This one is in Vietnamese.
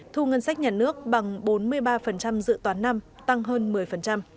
thu ngân sách nhà nước bằng bốn mươi ba dự toán năm tăng hơn một mươi